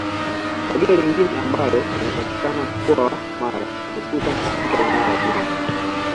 Kabila lingine ambalo linapatikana mkoa wa Mara hususani katika wilaya ya Bunda